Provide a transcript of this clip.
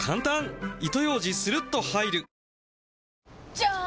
じゃーん！